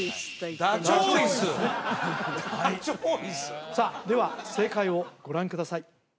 ダチョウ椅子さあでは正解をご覧ください